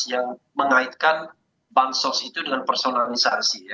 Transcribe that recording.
yang mengaitkan bansos itu dengan personalisasi